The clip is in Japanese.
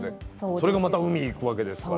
それがまた海行くわけですから。